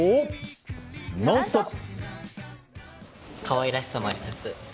「ノンストップ！」。